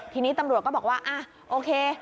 ทีนี้ตำรวจก็บอกว่าโอเค